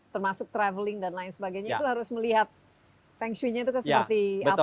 termasuk travelling dan lain sebagainya itu harus melihat feng shui nya itu seperti apa